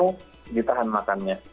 semoga kamu ditahan makannya